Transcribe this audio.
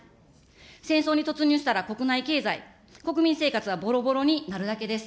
戦争に突入したら国内経済、国民生活はぼろぼろになるだけです。